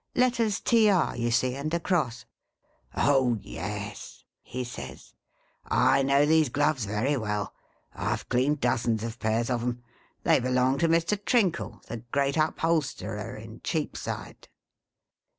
Letters TR, you see, and a cross.' ' Oh yes,' he says, ' I know these gloves very well ; I Ve cleaned dozens of pairs of 'em. They belong to Mr. Trinkle, the great upholsterer in Cheapside.'